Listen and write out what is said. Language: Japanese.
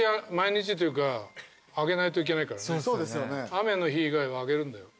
雨の日以外はあげるんだよ。